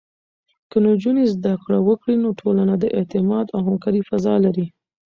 که نجونې زده کړه وکړي، نو ټولنه د اعتماد او همکارۍ فضا لري.